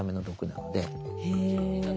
へえ。